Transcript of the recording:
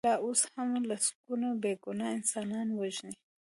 لا اوس هم لسګونه بې ګناه انسانان وژني.